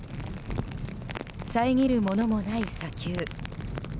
遮るものもない砂丘。